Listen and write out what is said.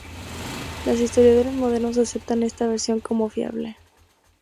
Los historiadores modernos aceptan esta versión como fiable.